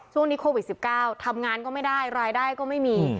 ช่วงนี้โควิด๑๙ทำงานก็ไม่ได้รายได้ก็ไม่มี